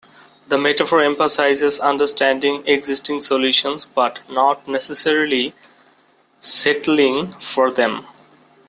The metaphor emphasizes understanding existing solutions, but not necessarily settling for them.